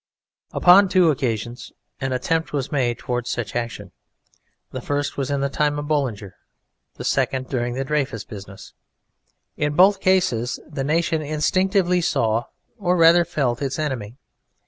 Upon two occasions an attempt was made towards such action. The first was in the time of Boulanger, the second during the Dreyfus business. In both cases the nation instinctively saw, or rather felt, its enemy.